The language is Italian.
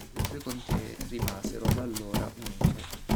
Le due contee rimasero da allora unite.